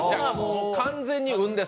完全に運です。